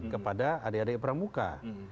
kepada adik adik pramuka